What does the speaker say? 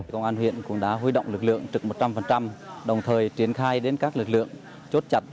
công an huyện cũng đã huy động lực lượng trực một trăm linh đồng thời triển khai đến các lực lượng chốt chặt